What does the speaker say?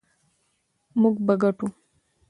موږ به ګټو.